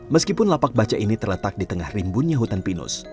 meskipun lapak baca ini terletak di tengah rimbunnya hutan pinus